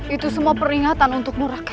itu semua peringatan untuk murah